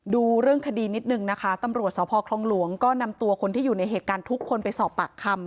ดูเรื่องคดีนิดนึงนะคะตำรวจสพคลองหลวงก็นำตัวคนที่อยู่ในเหตุการณ์ทุกคนไปสอบปากคำ